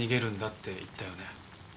って言ったよね。